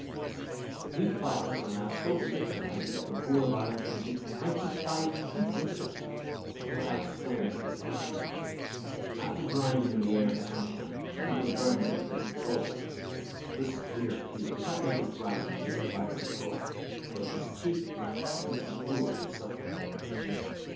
The peat bogs are now so thick and heavy that the poor of Ireland can dig twenty five feet into them and cut out squares of the solid peat. After drying them in the air and sunshine, the people burn them in place of coal. This queer fuel does not make as bright and clear a fire as coal, but it is cheap, and keeps the poor from suffering.